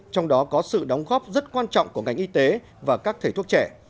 trong đó có sự đóng góp rất quan trọng của ngành y tế và các thầy thuốc trẻ